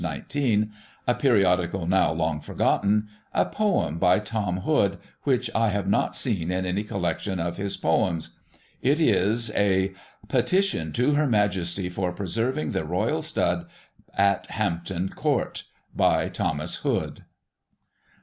19), a periodical now long forgotten, a poem by Tom Hood, which I have not seen in any collection of his poems. It is a Petition to Her Majesty for Preserving the Royal Stud at Hampton Court. By Thomas Hood.